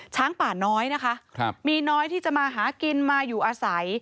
ช้างป่าน้อยนะคะมีน้อยที่จะมาหากินมาอยู่อาศัย